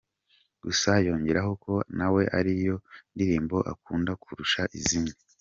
Gusa yongeraho ko nawe ari yo ndirimbo akunda kurusha izindi.